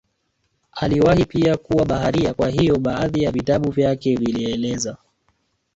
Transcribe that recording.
Aliwahi pia kuwa baharia kwa hiyo baadhi ya vitabu vyake vilieleza